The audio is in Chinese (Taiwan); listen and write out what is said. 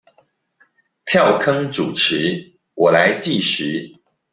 跳坑主持，我來計時